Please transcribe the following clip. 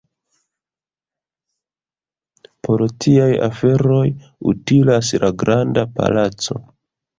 Por tiaj aferoj utilas la Granda Palaco.